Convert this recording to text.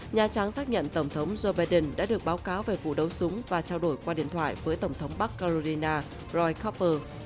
nhà tráng xác nhận tổng thống joe biden đã được báo cáo về vụ đấu súng và trao đổi qua điện thoại với tổng thống bắc carolina roy cooper